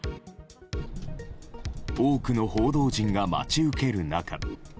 多くの報道陣が待ち受ける中。